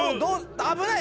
危ない！